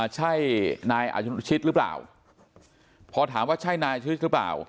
ใช่นายอนุชิตหรือเปล่าพอถามว่าใช่นายชีวิตหรือเปล่า